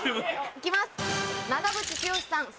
行きます！